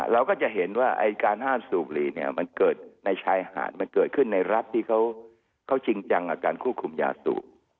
เราก็จะเห็นว่าไอ้การห้ามสูบรีเนี่ยมันเกิดในชายหาดมันเกิดขึ้นในรัฐที่เขาจริงจังกับการควบคุมยาสูบ